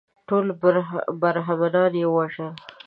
ټول برهمنان یې ووژل.